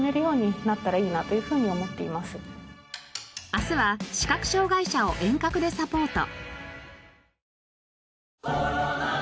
明日は視覚障がい者を遠隔でサポート。